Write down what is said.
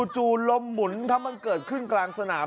จู่ลมหมุนครับมันเกิดขึ้นกลางสนาม